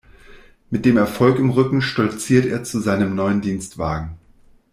Mit dem Erfolg im Rücken stolzierte er zu seinem neuen Dienstwagen.